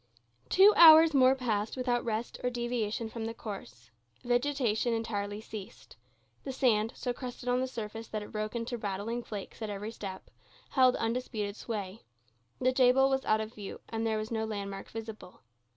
Two hours more passed without rest or deviation from the course. Vegetation entirely ceased. The sand, so crusted on the surface that it broke into rattling flakes at every step, held undisputed sway. The Jebel was out of view, and there was no landmark visible.